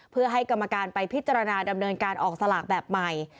เพื่อให้กรรมการไปพิจารณาดำเนินการออกสลากแบบใหม่